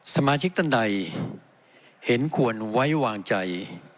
สมาชิกท่านใดเห็นควรไว้วางใจ